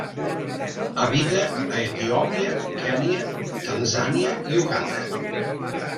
Habita a Etiòpia, Kenya, Tanzània i Uganda.